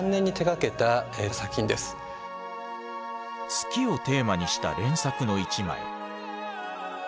月をテーマにした連作の一枚。